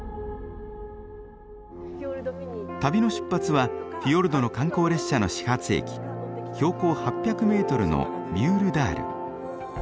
旅の出発はフィヨルドの観光列車の始発駅標高８００メートルのミュールダール。